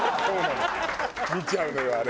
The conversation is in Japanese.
見ちゃうのよあれ。